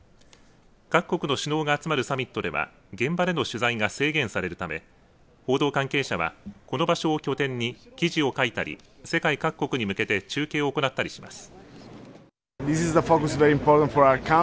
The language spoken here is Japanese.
各国の首脳が集まるサミットでは現場での取材が制限されるため報道関係者はこの場所を拠点に記事を書いたり世界各国に向けて中継を行ったりします。